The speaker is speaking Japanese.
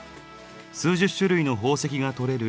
数十種類の宝石が採れる